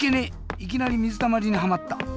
いきなりみずたまりにはまった。